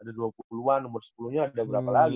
ada dua puluh an nomor sepuluh nya ada berapa lagi